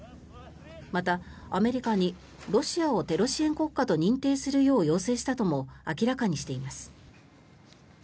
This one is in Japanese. また、アメリカにロシアをテロ支援国家と認定するよう要請したとも明らかにしています。